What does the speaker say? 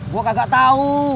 gue kagak tau